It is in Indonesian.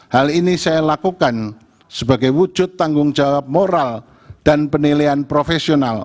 hal ini saya lakukan sebagai wujud tanggung jawab moral dan penilaian profesional